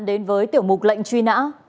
đến với tiểu mục lệnh truy nã